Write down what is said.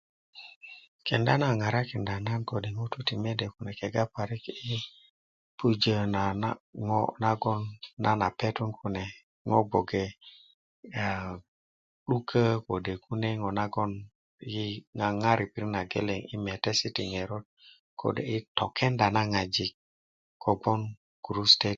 Kenda na a ŋarakinda Nan kode' ŋutu ti mede kune kega parik yi pujö na ŋo nagon nan a petun kune ŋo' bgo ke 'dukö kode' kune ŋo' nagon yi ŋaŋar yi pirit nageleŋ yi metesi ti ŋeröt kode' i tokenda na ŋajik kogboŋ gurusutöt